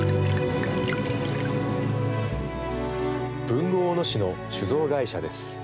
豊後大野市の酒造会社です。